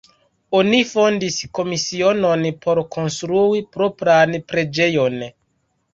Oni fondis komisionon por konstrui propran preĝejon.